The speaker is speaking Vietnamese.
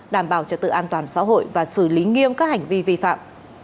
đảm bảo trật tự an toàn xã hội và xử lý nghiêm các hành vi vi phạm